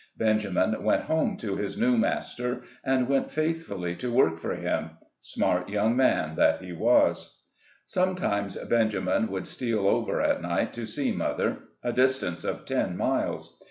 Benjamin went home to his new master, and went faithfully to work for him — smart young man that he was ! 14 SLAVE CABIN TO PULPIT. Sometimes Benjamin would steal over at night to see mother (a distance of ten miles).